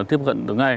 tiếp cận được ngay